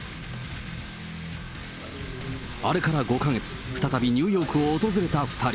あれから５か月、再びニューヨークを訪れた２人。